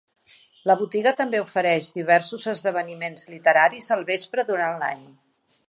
La botiga també ofereix diversos esdeveniments literaris al vespre durant l'any.